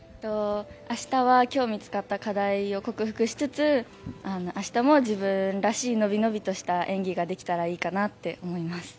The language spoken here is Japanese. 明日は今日見つかった課題を克服しつつ明日も自分らしい伸び伸びとした演技ができたらいいかなって思います。